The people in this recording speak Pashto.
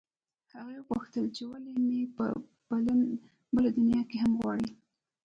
هغې وپوښتل چې ولې مې په بله دنیا کې هم غواړې